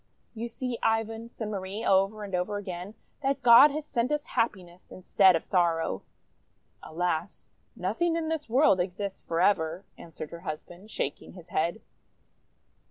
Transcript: "You see, Ivan," said Marie over and over again, "that God has sent us happiness instead of sorrow!'' "Alas, nothing in this world exists forever!51 answered her husband, shaking his head.